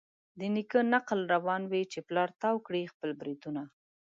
د نیکه نکل روان وي چي پلار تاو کړي خپل برېتونه